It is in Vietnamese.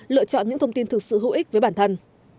lựa chọn những thông tin thực sự hữu ích với bản thân